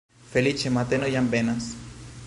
Feliĉe mateno jam venas!